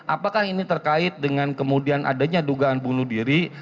apakah ini terkait dengan kemudian adanya dugaan bunuh diri